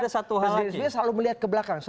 presiden jokowi selalu melihat ke belakang